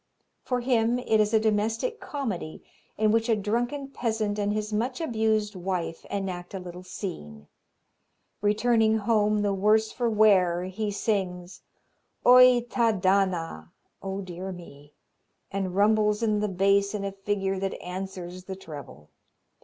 For him it is a domestic comedy in which a drunken peasant and his much abused wife enact a little scene. Returning home the worse for wear he sings "Oj ta dana" "Oh dear me" and rumbles in the bass in a figure that answers the treble.